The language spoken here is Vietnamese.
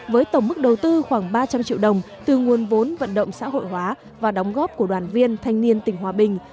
với tổng mức đầu tư khoảng ba trăm linh triệu đồng từ nguồn vốn vận động xã hội hóa và đóng góp của đoàn viên thanh niên tỉnh hòa bình